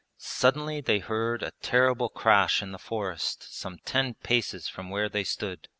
Suddenly they heard a terrible crash in the forest some ten paces from where they stood.